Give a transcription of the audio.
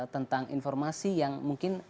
tentang informasi yang mungkin